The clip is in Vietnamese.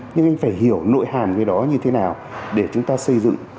nhưng anh phải hiểu nội hàm cái đó như thế nào để chúng ta xây dựng